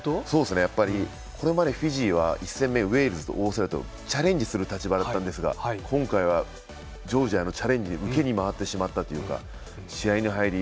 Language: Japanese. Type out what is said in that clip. これまでフィジーは１戦目オーストラリアとウェールズとチャレンジする立場だったんですが今回は、ジョージアのチャレンジに、受けに回ってしまったというか。